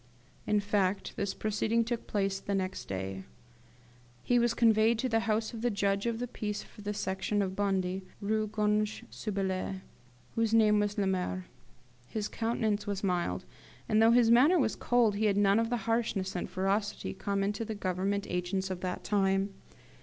In fact, this proceeding took place next day. He was conveyed to the house of the judge of the peace for the Section of Bondy, Rue Grange sue Belles, whose name was Lemaire. His countenance was mild; and though his manner was cold, he had none of the harshness and ferocity common to the Government agents of that time.